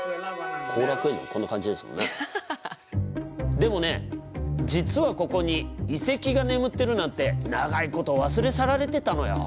でもね実はここに遺跡が眠ってるなんて長いこと忘れ去られてたのよ。